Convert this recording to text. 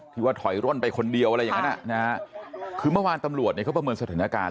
ว่าถอยร่นไปคนเดียวอะไรอย่างนั้นคือเมื่อวานตำรวจเนี่ยเขาประเมินสถานการณ์